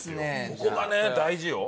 ここがね大事よ。